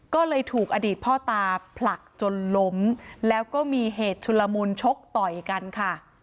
ก็เลยถูกอดีตพ่อตาผลักจนล้มแล้วก็มีเหตุชุลมุนชกต่อยกันค่ะ